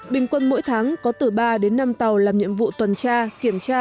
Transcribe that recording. bình quân mỗi tháng có từ ba đến năm tàu làm nhiệm vụ tuần tra kiểm tra